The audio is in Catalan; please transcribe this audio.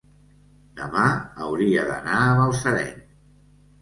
demà hauria d'anar a Balsareny.